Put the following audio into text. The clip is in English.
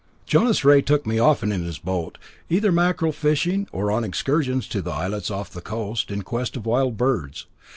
Jonas Rea took me often in his boat, either mackerel fishing, or on excursions to the islets off the coast, in quest of wild birds.